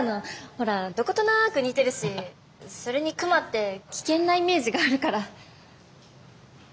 ほらどことなく似てるしそれに熊って危険なイメージがあるから。